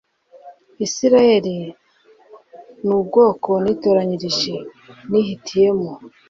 Isirayeli nu bwoko nitoranirije, nihitiyemo